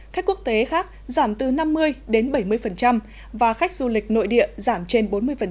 khách quốc tế khác giảm từ năm mươi đến bảy mươi và khách du lịch nội địa giảm trên bốn mươi